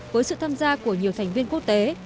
với sự tham gia của nhiều thành viên quốc tế